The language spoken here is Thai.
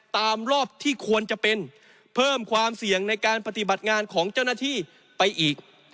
ตามรอบที่ควรจะเป็นเพิ่มความเสี่ยงในการปฏิบัติงานของเจ้าหน้าที่ไปอีก